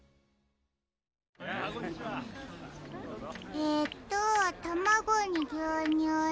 えっとたまごにぎゅうにゅうに。